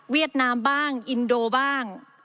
ดนามบ้างอินโดบ้าง